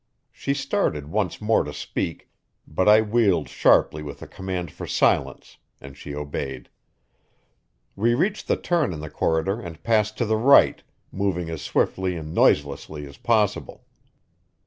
She started once more to speak, but I wheeled sharply with a command for silence, and she obeyed. We reached the turn in the corridor and passed to the right, moving as swiftly and noiselessly as possible.